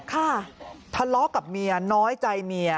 ทะเลาะกับเมียน้อยใจเมีย